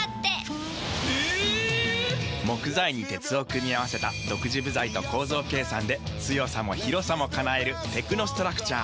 木材に鉄を組み合わせた独自部材と構造計算で強さも広さも叶えるテクノストラクチャー。